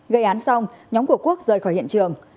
gây án xong nhóm của quốc rời khỏi hiện trường